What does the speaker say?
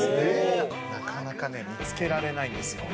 「なかなかね見付けられないんですよ」